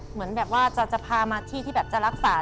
เหมือนแบบว่าจะพามาที่ที่แบบจะรักษา